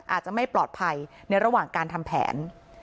อาจจะไม่ปลอดภัยในระหว่างการทำแผน